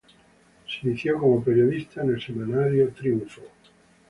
Se inició como periodista en el semanario "Triunfo".